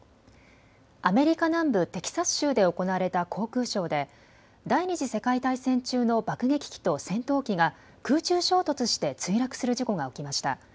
アメリカ南部テキサス州で行われた航空ショーで第２次世界大戦中の爆撃機と戦闘機が空中衝突して墜落する事故が起きました。